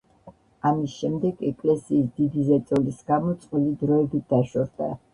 ამის შემდეგ, ეკლესიის დიდი ზეწოლის გამო წყვილი დროებით დაშორდა.